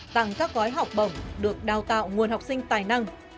tặng các gói học bổng được đào tạo nguồn học sinh tài năng